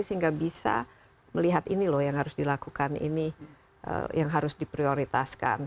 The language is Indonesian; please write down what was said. sehingga bisa melihat ini loh yang harus dilakukan ini yang harus diprioritaskan